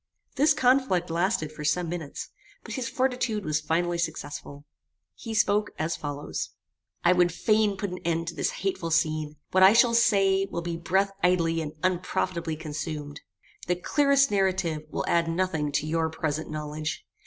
This conflict lasted for some minutes, but his fortitude was finally successful. He spoke as follows: "I would fain put an end to this hateful scene: what I shall say, will be breath idly and unprofitably consumed. The clearest narrative will add nothing to your present knowledge.